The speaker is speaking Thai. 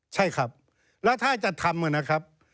ใช่ครับแล้วถ้าจะทำนะครับ